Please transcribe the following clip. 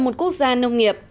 và một quốc gia nông nghiệp